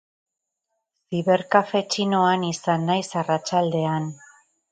Ziberkafe txinoan izan naiz arratsaldean.